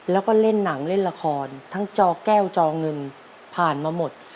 แล้วก็เล่นหนังเล่นละครทั้งจอแก้วจอเงินผ่านมาหมด